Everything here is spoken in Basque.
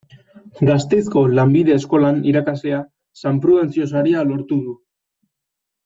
Gasteizko Lanbide Eskolan irakaslea, San Prudentzio Saria lortu du.